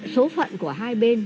số phận của hai bên